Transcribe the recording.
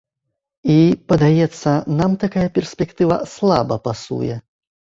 І, падаецца, нам такая перспектыва слаба пасуе.